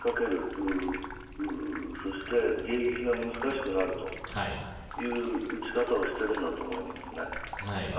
そして迎撃も難しくなるという撃ち方をしているのだと思います。